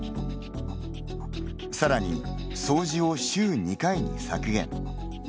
さらに、掃除を週２回に削減。